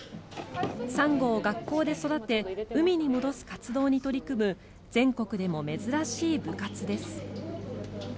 サンゴを学校で育て海に戻す活動に取り組む全国でも珍しい部活です。